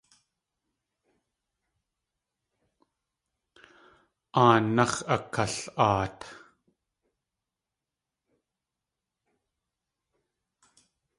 Aanáx̲ akla.aat.